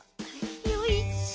よいしょ。